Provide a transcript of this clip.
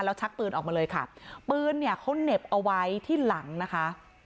แล้วชักปืนออกมาเลยค่ะปืนเนี่ยเขาเหน็บเอาไว้ที่หลังนะคะ